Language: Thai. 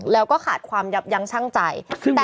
แล้วก็ขาดความยับยั้งชั่งใจ